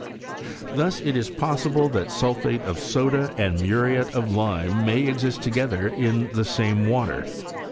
Thus it is pos sible that sulphate of soda and muriate of time may exist together in the same water.